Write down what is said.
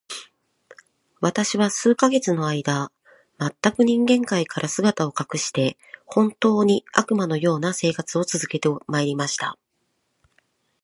私は数ヶ月の間、全く人間界から姿を隠して、本当に、悪魔の様な生活を続けて参りました。